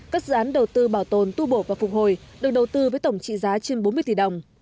các dự án đầu tư bảo tồn tu bổ và phục hồi được đầu tư với tổng trị giá trên bốn mươi tỷ đồng